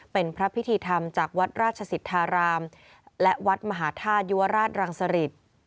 เป็นพระพิธีธรรมจากวัดราชสิทธารามและวัดมหาธาตุยุวราชรังสริต